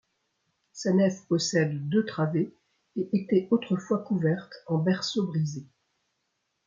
Sa nef possède deux travées, et était autrefois couverte en berceaux brisés.